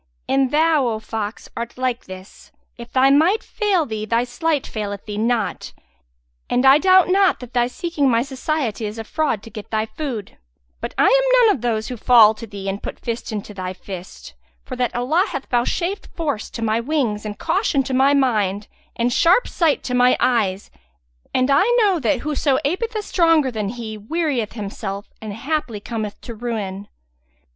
And out, O fox, art like this: if thy might fail thee, thy sleight faileth thee not; and I doubt not that thy seeking my society is a fraud to get thy food; but I am none of those who fall to thee and put fist into thy fist;[FN#170] for that Allah hath vouchsafed force to my wings and caution to my mind and sharp sight to my eyes; and I know that whoso apeth a stronger than he, wearieth himself and haply cometh to ruin.